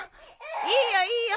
いいよいいよ